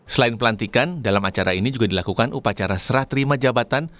selain pelantikan dalam acara ini juga dilakukan upacara serah terima jabatan